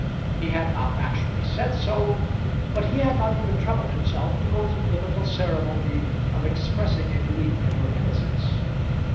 He had not actually said so, but he had not even troubled himself to go through the little ceremony of expressing a belief in her innocence.